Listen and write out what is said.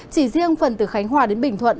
chỉ riêng phần từ khánh hòa đến bình thuận